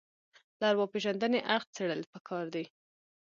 له ارواپېژندنې اړخ څېړل پکار دي